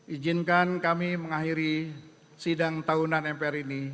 ijinkan kami mengakhiri sidang tahunan mpr ini